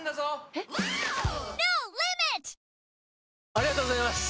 ありがとうございます！